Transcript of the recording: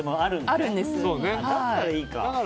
だったらいいか。